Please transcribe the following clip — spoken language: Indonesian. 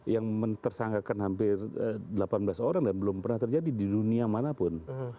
yang mentersanggakan hampir delapan belas orang dan belum pernah terjadi di dunia manapun